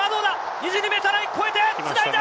２２ｍライン越えて繋いだ！